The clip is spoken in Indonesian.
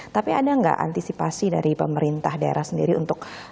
tapi ada nggak antisipasi dari pemerintah daerah sendiri untuk